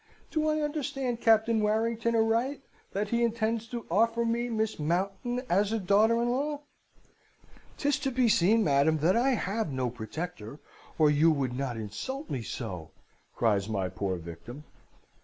Do I understand Captain Warrington aright, that he intends to offer me Miss Mountain as a daughter in law?' "''Tis to be seen, madam, that I have no protector, or you would not insult me so!' cries my poor victim.